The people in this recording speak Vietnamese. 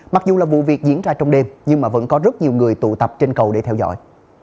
mặc dù là vụ việc diễn ra trong đêm nhưng mà vẫn có rất nhiều người tụ tập trên cầu để theo dõi